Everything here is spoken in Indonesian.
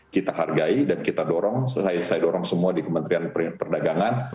kita hargai dan kita dorong saya dorong semua di kementerian perdagangan